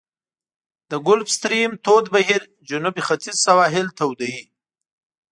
د ګلف ستریم تود بهیر جنوب ختیځ سواحل توده وي.